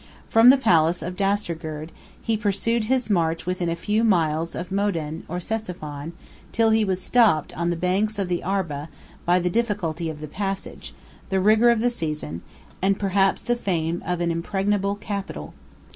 From the palace of Dastagerd, he pursued his march within a few miles of Modain or Ctesiphon, till he was stopped, on the banks of the Arba, by the difficulty of the passage, the rigor of the season, and perhaps the fame of an impregnable capital.